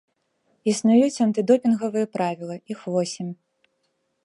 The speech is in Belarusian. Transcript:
Існуюць антыдопінгавыя правілы, іх восем.